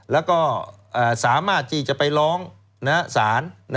แล้วก็สามารถที่จะไปร้องศาล